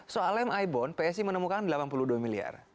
soal lem ibon psi menemukan delapan puluh dua miliar